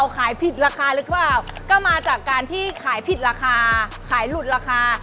ขายผิดราคาหรือไปก็จากการที่ขายผิดราคา